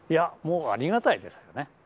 もうありがたいですよね。